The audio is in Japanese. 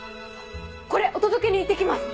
これお届けに行って来ます。